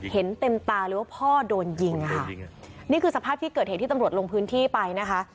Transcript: เห็นเต็มตาเลยว่าพ่อโดนยิงอ่ะค่ะนี่คือสภาพที่เกิดเหตุที่ตำรวจลงพื้นที่ไปนะคะ